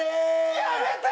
やめて！